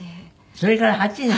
それから８年？